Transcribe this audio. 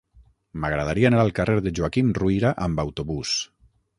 M'agradaria anar al carrer de Joaquim Ruyra amb autobús.